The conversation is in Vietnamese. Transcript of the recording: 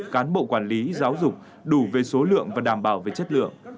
cán bộ quản lý giáo dục đủ về số lượng và đảm bảo về chất lượng